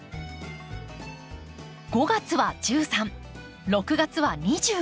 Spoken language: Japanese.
５月は１３６月は２５